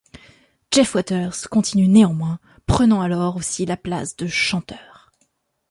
Jeff Waters continue néanmoins, prenant alors aussi la place de chanteur.